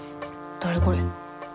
誰、これ。